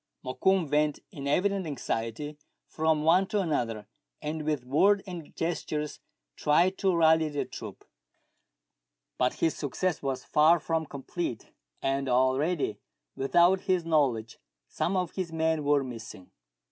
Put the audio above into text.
Mokoum went in evident anxiety from one to another, and with word and gestures tried to rally the troop ; but his success was far from complete, and already, without his knowledge, some of his men were missing.